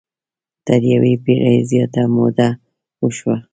تر یوې پېړۍ زیاته موده وشوه.